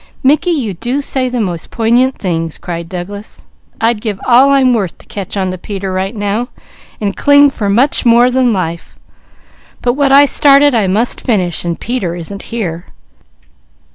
"Mickey, you do say the most poignant things!" cried Douglas. "I'd give all I'm worth to catch on to Peter right now, and cling for much more than life; but what I started, I must finish, and Peter isn't here."